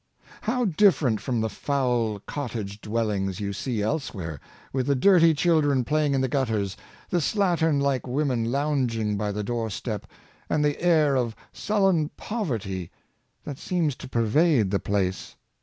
How different from the foul cottage dwellings you see elsewhere, with the dirty children playing in the gutters, the slattern like women lounging by the door step, and the air of sullen poverty that seems to pervade the place!